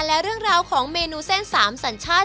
และเรื่องราวของเมนูเส้น๓สัญชาติ